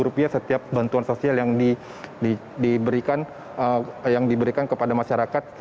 rp sepuluh setiap bantuan sosial yang diberikan kepada masyarakat